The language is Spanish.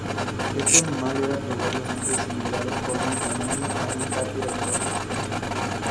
Este animal era probablemente similar en forma y tamaño a un tapir actual.